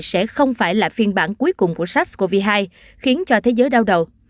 sẽ không phải là phiên bản cuối cùng của sars cov hai khiến cho thế giới đau đầu